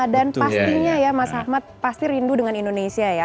dan pastinya ya mas ahmad pasti rindu dengan indonesia ya